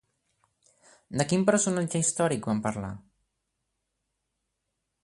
De quin personatge històric van parlar?